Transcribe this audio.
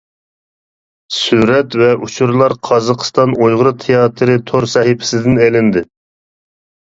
سۈرەت ۋە ئۇچۇرلار قازاقىستان «ئۇيغۇر تىياتىرى» تور سەھىپىسىدىن ئېلىندى.